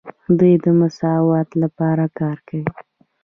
دوی د مساوات لپاره کار کوي.